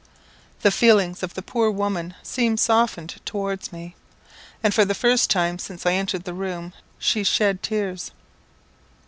The feelings of the poor woman seemed softened towards me, and for the first time since I entered the room she shed tears.